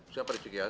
siapa di cikyas